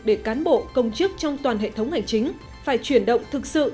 để cán bộ công chức trong toàn hệ thống hành chính phải chuyển động thực sự